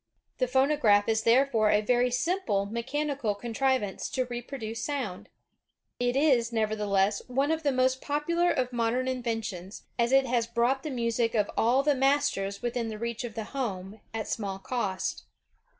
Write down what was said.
The phonograph is therefore a very simple mechanical contrivance to reproduce sound. It is, nevertheless, one of the most popular of modem inventions, as it has brought the music of the masters within the reach of the home, at small cost.